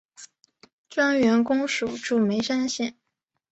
专员公署驻眉山县。